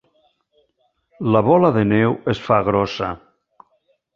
La bola de neu es fa grossa.